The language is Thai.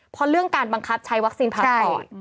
พอเรื่องการบังคับใช้วัคซีนพัสกอด